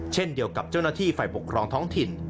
เช่นเดียวกับเจ้าหน้าที่ฝ่ายปกครองท้องถิ่น